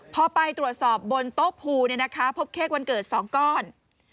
พอไปตรวจสอบบนโต๊ะภูพบเค้กวันเกิด๒ก้อน